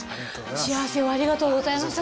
幸せをありがとうございました。